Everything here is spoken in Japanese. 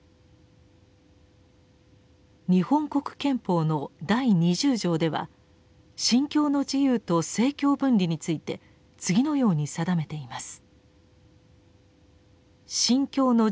日本国憲法の第二十条では「信教の自由」と「政教分離」について次のように定めています。